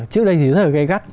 trước đây thì rất là gay gắt